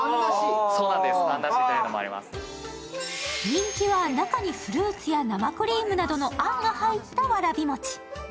人気は中にフルーツや生クリームなどのあんが入ったわらび餅。